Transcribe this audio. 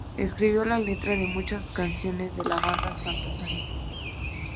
Escribió la letra de muchas canciones de la banda Santa Sabina.